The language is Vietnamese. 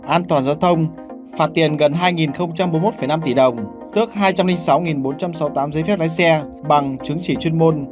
an toàn giao thông phạt tiền gần hai bốn mươi một năm tỷ đồng tước hai trăm linh sáu bốn trăm sáu mươi tám giấy phép lái xe bằng chứng chỉ chuyên môn